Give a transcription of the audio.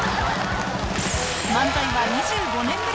漫才は２５年ぶり。